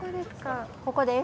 ここです。